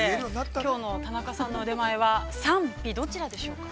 きょうの田中さんの腕前は賛否、どちらでしょうか。